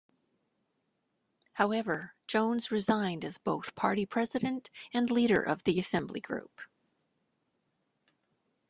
However, Jones resigned as both party president and leader of the assembly group.